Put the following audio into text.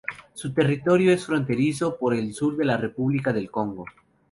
Su territorio es fronterizo por el sur con la República del Congo.